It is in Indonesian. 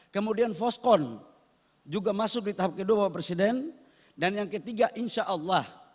kemudian foskon juga masuk di tahap kedua bapak presiden dan yang ketiga insyaallah